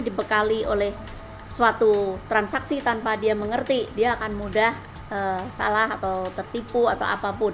dibekali oleh suatu transaksi tanpa dia mengerti dia akan mudah salah atau tertipu atau apapun